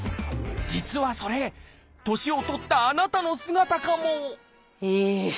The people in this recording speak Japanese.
実はそれ年を取ったあなたの姿かもええ！